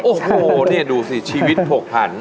โอ้โหนี่ดูสิชีวิตผกผัน